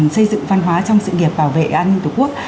xây dựng văn hóa trong sự nghiệp bảo vệ an ninh tổ quốc